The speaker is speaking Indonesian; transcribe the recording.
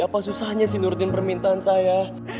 apa susahnya sih nurdin permintaan saya